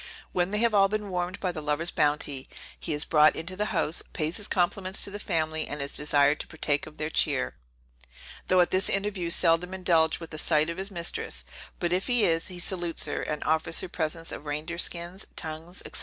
When they have all been warmed by the lover's bounty, he is brought into the house, pays his compliments to the family, and is desired to partake of their cheer, though at this interview seldom indulged with a sight of his mistress; but if he is, he salutes her, and offers her presents of reindeer skins, tongues, &c.